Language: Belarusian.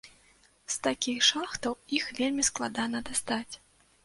З такіх шахтаў іх вельмі складана дастаць.